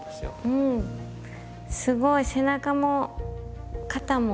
すごい背中も肩も。